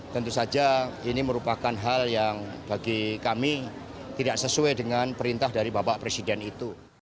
tentu saja ini merupakan hal yang bagi kami tidak sesuai dengan perintah dari bapak presiden itu